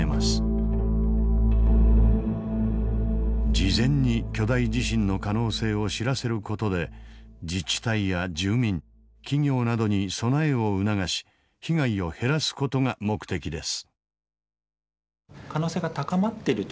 事前に巨大地震の可能性を知らせる事で自治体や住民企業などに備えを促し被害を減らす事が目的です。